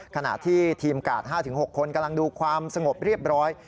ขณะที่ทีมกาด๕๖คนกำลังดูความสงบเรียบร้อย